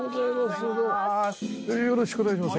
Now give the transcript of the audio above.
よろしくお願いします。